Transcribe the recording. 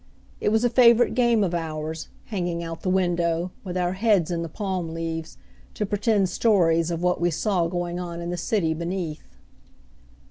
It was a favorite game of ours, hanging out the window, with our heads in the palm leaves, to pretend stories of what we saw going on in the city beneath.